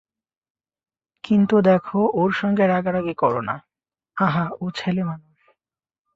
কিন্তু দেখো ওর সঙ্গে রাগারাগি কোরো না, আহা ও ছেলেমানুষ!